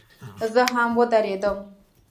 زه هم ودرېدم.